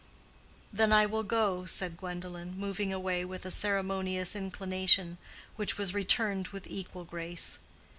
"Then I will go," said Gwendolen, moving away with a ceremonious inclination, which was returned with equal grace.